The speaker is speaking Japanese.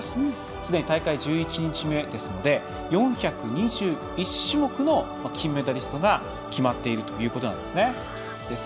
すでに大会１１日目ですので４２１種目の金メダリストが決まっているということです。